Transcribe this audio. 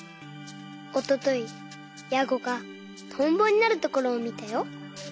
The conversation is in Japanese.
おとといヤゴがトンボになるところをみたよ。